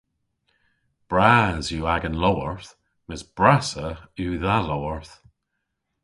Bras yw agan lowarth mes brassa yw dha lowarth.